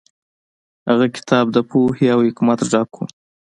هغه کتاب د پوهې او حکمت ډک و.